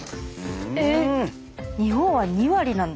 えっ日本は２割なんだ。